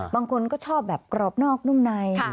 บางคนก็ชอบแบบกรอบนอกนุ่มใน